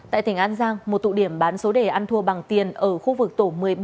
tại tỉnh an giang một tụ điểm bán số đề ăn thua bằng tiền ở khu vực tổ một mươi bảy